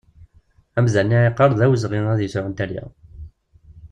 Amdan iɛiqer d awezɣi ad yesɛu dderya.